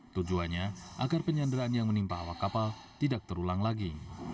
tujuannya agar penyanderaan yang menimpa awak kapal tidak terulang lagi